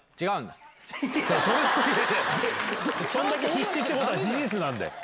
そんだけ必死ってことは事実なんだよ。